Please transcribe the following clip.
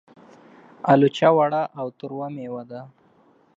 الوچه وړه او تروه مېوه ده.